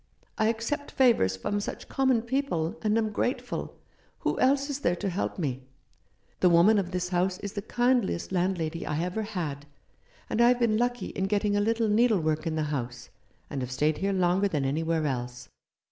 I accept favours from such common people, and am grateful. Who else is there to help me ? The woman of this house is the kindliest landlady I ever had, and I have been lucky in getting a little needlework in the house, and have stayed here longer than anywhere else.